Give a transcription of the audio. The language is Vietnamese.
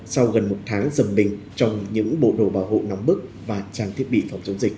sau gần một tháng dầm mình trong những bộ đồ bảo hộ nóng bức và trang thiết bị phòng chống dịch